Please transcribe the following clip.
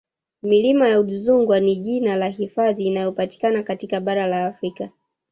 Milima ya Udzungwa ni jina la hifadhi inayopatikana katika bara la Afrika